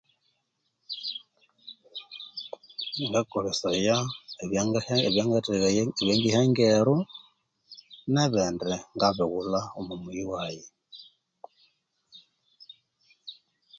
Ngakolesaya ebyangiha ebyangatheghaya, ebyangiha engero nebindi ngabighulha omu muyi waghi